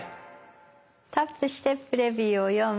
「タップしてプレビューを読む」。